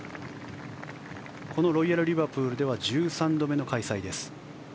このロイヤルリバプールでは１３度目の開催です。